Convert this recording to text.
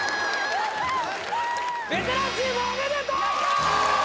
ベテランチームおめでとう！